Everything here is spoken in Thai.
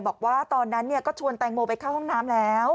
บอกว่าตอนนั้นก็ชวนแตงโมไปเข้าห้องน้ำแล้ว